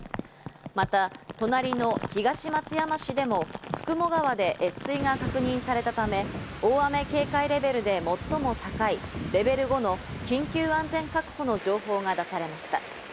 また隣の東松山市でも九十九川で越水が確認されたため、大雨警戒レベルで最も高いレベル５の緊急安全確保の情報が出されました。